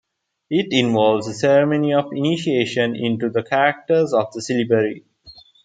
It involves a ceremony of initiation into the characters of the syllabary.